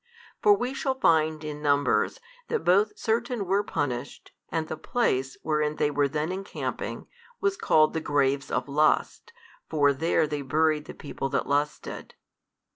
For we shall find in Numbers, that both certain were punished, and the place, wherein they were then encamping, was called the graves of lust, for there they buried the people that lusted.